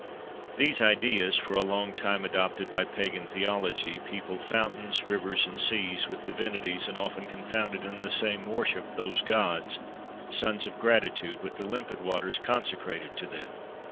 [XXV 1] These ideas, for a long time adopted by Pagan theology, peopled fountains, rivers, and seas, with divinities, and often confounded in the same worship those gods, sons of gratitude, with the limpid waters consecrated to them.